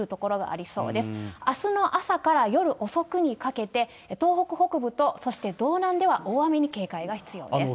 あすの朝から夜遅くにかけて、東北北部とそして道南では、大雨に警戒が必要です。